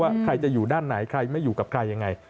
ใครจะอยู่ด้านไหนใครไม่อยู่กับใครยังไง